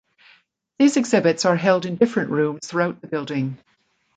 These exhibits are held in different rooms throughout the building.